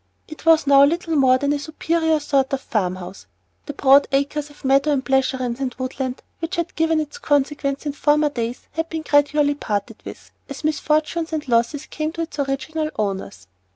It was now little more than a superior sort of farm house. The broad acres of meadow and pleasaunce and woodland which had given it consequence in former days had been gradually parted with, as misfortunes and losses came to its original owners.